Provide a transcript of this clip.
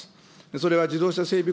それは自動車整備